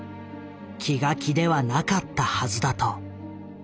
気が気ではなかったはずだと。